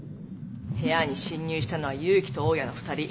部屋に侵入したのは祐樹と大家の２人。